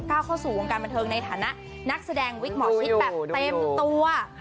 เข้าสู่วงการบันเทิงในฐานะนักแสดงวิกหมอชิดแบบเต็มตัว